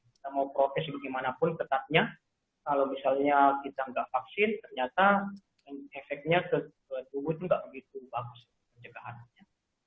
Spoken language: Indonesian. kita mau proses bagaimanapun tetapnya kalau misalnya kita enggak vaksin ternyata efeknya ke tubuh itu enggak begitu bagus penjagaannya